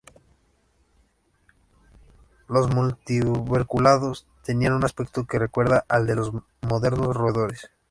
Los multituberculados tenían un aspecto que recuerda al de los modernos roedores.